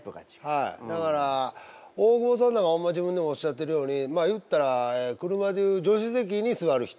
はいだから大久保さんなんかホンマ自分でもおっしゃってるようにまあ言ったら車でいう助手席に座る人。